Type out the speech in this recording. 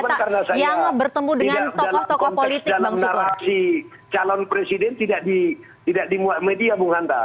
bukan karena saya tidak dalam konteks dalam narasi calon presiden tidak di media bung hanta